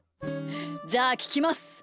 じゃあききます。